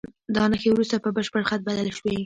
دا نښې وروسته په بشپړ خط بدلې شوې.